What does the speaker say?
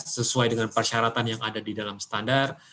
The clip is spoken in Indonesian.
sesuai dengan persyaratan yang ada di dalam standar